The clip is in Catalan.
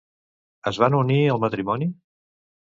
Es van unir el matrimoni?